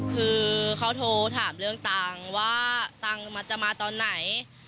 คือเขาโทรถามเรื่องตังค์ว่าตังค์มันจะมาตอนไหน